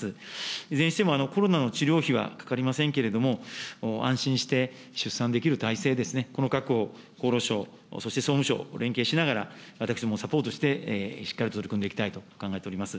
いずれにしてもコロナの治療費はかかりませんけれども、安心して出産できる体制ですね、この確保を厚労省、そして総務省、連携しながら、私どもサポートして、しっかりと取り組んでいきたいと考えております。